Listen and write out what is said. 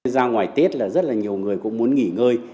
ra ngoài tết là rất là nhiều người cũng muốn nghỉ ngơi